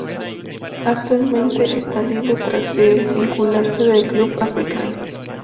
Actualmente está libre tras desvincularse del Club Africain.